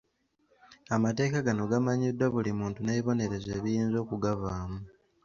Amateeka gano gamanyiddwa buli muntu n'ebibonerezo ebiyinza okugavaamu.